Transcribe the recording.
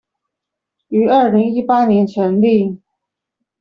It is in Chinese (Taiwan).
於二零一八年成立